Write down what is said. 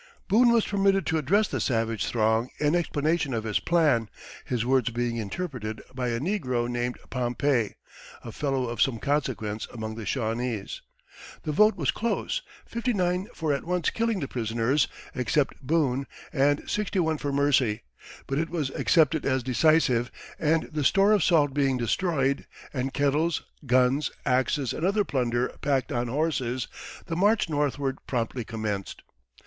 Boone was permitted to address the savage throng in explanation of his plan, his words being interpreted by a negro named Pompey, a fellow of some consequence among the Shawnese. The vote was close fifty nine for at once killing the prisoners, except Boone, and sixty one for mercy; but it was accepted as decisive, and the store of salt being destroyed, and kettles, guns, axes, and other plunder packed on horses, the march northward promptly commenced.